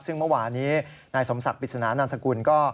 ซึ่งเมื่อวานี้นายสมศักดิ์ปริศนานันสกุลก็